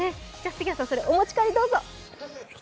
杉谷さん、それお持ち帰りどうぞ。